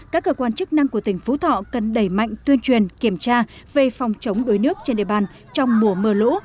các cơ quan chức năng của tỉnh phú thọ cần đẩy mạnh tuyên truyền kiểm tra về phòng chống đuối nước trên địa bàn trong mùa mưa lũ